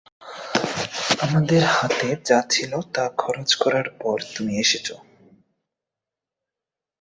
আমাদের হাতে যা ছিল তা খরচ করার পর তুমি এসেছে।